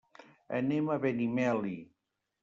Anem a Benimeli.